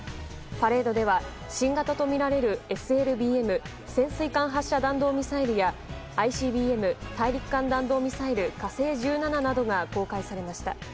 パレードでは新型とみられるＳＬＢＭ・潜水艦発射弾道ミサイルやＩＣＢＭ・大陸間弾道ミサイル「火星１７」などが公開されました。